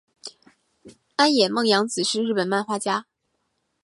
安野梦洋子是日本漫画家。